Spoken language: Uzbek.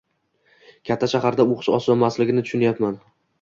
Katta shaharda o‘qish osonmasligini tushunyapman.